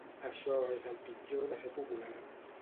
Això és el pitjor de ser popular.